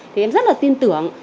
thì em rất là tin tưởng